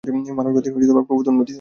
মানব প্রজাতির প্রভূত উন্নতি হচ্ছে।